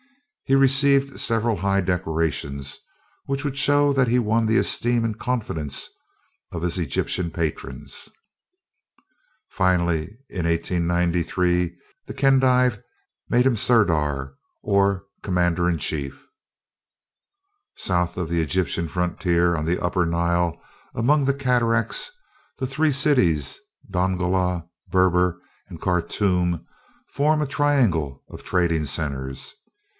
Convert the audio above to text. He received several high decorations, which would show that he won the esteem and confidence of his Egyptian patrons. Finally in 1893 the Khedive made him Sirdar, or Commander in chief. South of the Egyptian frontier, on the Upper Nile among the cataracts, the three cities, Dongola, Berber, and Khartoum form a triangle of trading centers.